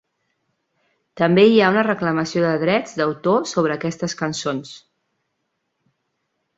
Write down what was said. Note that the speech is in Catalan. També hi ha una reclamació de drets d'autor sobre aquestes cançons.